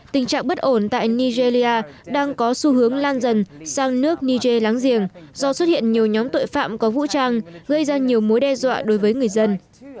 tình trạng bất ổn tại nigeria đang có xu hướng lan dần sang nước niger láng giềng do xuất hiện nhiều nhóm tội phạm có vũ trang gây ra nhiều mối đe dọa đối với người dân